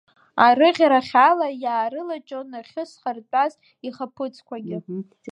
Арыӷьарахь ала, иаарылаҷҷон ахьы зхарҭәаз ихаԥыцқәагьы.